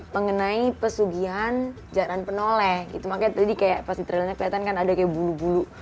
mengenai pesugihan jaran penoleh itu makanya tadi kayak pasti trailnya kelihatan kan ada kayak bulu bulu